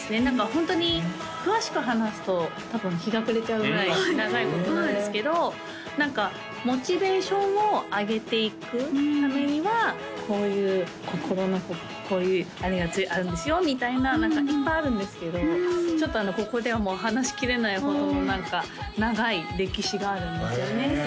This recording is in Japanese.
ホントに詳しく話すと多分日が暮れちゃうぐらい長いことなんですけど何かモチベーションを上げていくためにはこういう心のあれがあるんですよみたいな何かいっぱいあるんですけどちょっとここではもう話しきれないほどの長い歴史があるんですよねへえ